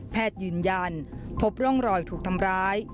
ยืนยันพบร่องรอยถูกทำร้าย